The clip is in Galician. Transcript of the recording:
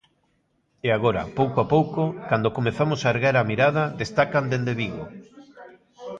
É agora, pouco a pouco, cando comezamos a erguer a mirada, destacan dende Vigo.